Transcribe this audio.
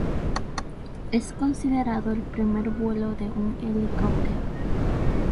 Es considerado el primer vuelo de un helicóptero.